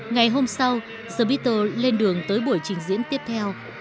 ngày hôm sau the beatles lên đường tới buổi trình diễn tiếp theo